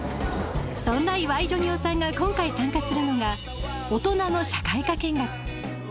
そんな岩井ジョニ男さんが今回参加するのが大人の社会科見学。